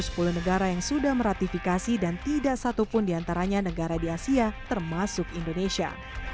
sayangnya baru sepuluh negara yang sudah meratifikasi dan tidak satu pun diantaranya negara di asia termasuk indonesia